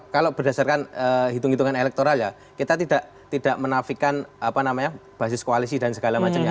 kalau berdasarkan hitung hitungan elektoral kita tidak menafikan basis koalisi dan segala macamnya